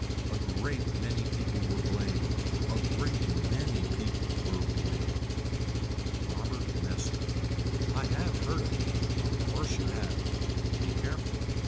A great many people were blamed. A great many people were blamed. Robert Nestor. I have heard of him. Of course you have. Be careful.